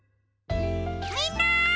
みんな！